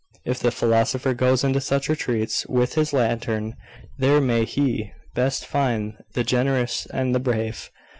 If the philosopher goes into such retreats with his lantern, there may he best find the generous and the brave.